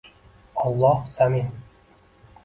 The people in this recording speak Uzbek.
Olloh zamin